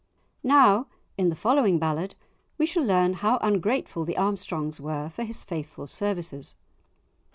Now in the following ballad we shall learn how ungrateful the Armstrongs were for his faithful services.